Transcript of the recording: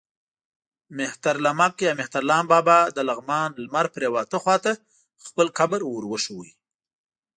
مهترلمک یا مهترلام بابا د لغمان لمر پرېواته خوا ته خپل قبر ور وښود.